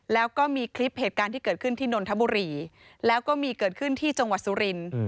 แล้วก็มีคลิปเหตุการณ์ที่เกิดขึ้นที่นนทบุรีแล้วก็มีเกิดขึ้นที่จังหวัดสุรินทร์